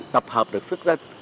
tập hợp được sức dân